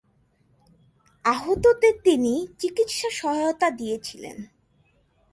আহতদের তিনি চিকিৎসা সহায়তা দিয়েছিলেন।